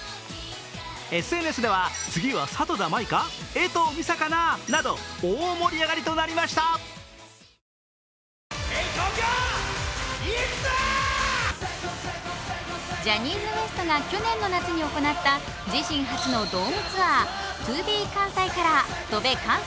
ＳＮＳでは大盛り上がりとなりましたジャニーズＷＥＳＴが去年の夏に行った自身初のドームツアー「ＴＯＢＥＫＡＮＳＡＩＣＯＬＯＲ−翔べ